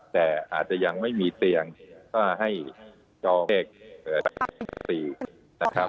แต่อาจจะยังไม่มีเตียงก็ให้จองเด็ก๔นะครับ